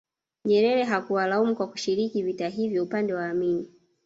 Nyerere hakuwalaumu kwa kushiriki vita hivyo upande wa Amin